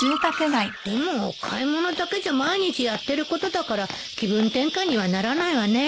でも買い物だけじゃ毎日やってることだから気分転換にはならないわね